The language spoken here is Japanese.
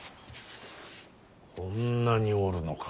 こんなにおるのか。